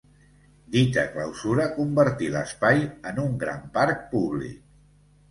Dita clausura convertí l'espai en un gran parc públic.